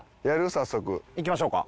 早速。いきましょうか。